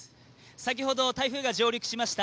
先ほど台風が上陸しました